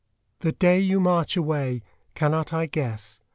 The day you march away cannot I guess?